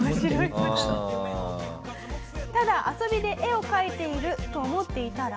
ただ遊びで絵を描いていると思っていたら。